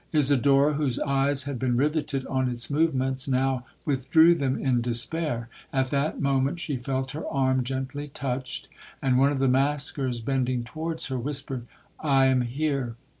Isidora, whose eyes had been rivetted on its movements, now withdrew them in despair. At that moment she felt her arm gently touched, and one of the maskers, bending towards her, whispered, 'I am here!'